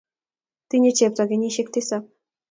Tinyei chepto kenyisiek tisap.